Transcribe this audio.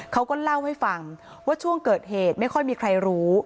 เขาก็เล่าให้ฟังว่าช่วงเกิดเหตุไม่ค่อยมีใครรู้